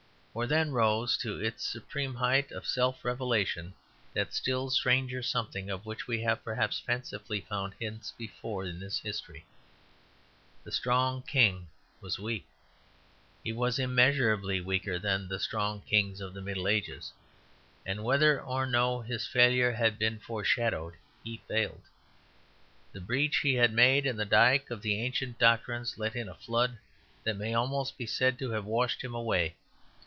For then rose to its supreme height of self revelation that still stranger something of which we have, perhaps fancifully, found hints before in this history. The strong king was weak. He was immeasurably weaker than the strong kings of the Middle Ages; and whether or no his failure had been foreshadowed, he failed. The breach he had made in the dyke of the ancient doctrines let in a flood that may almost be said to have washed him away.